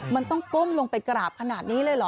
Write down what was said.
มันต้องก้มลงไปกราบขนาดนี้เลยเหรอ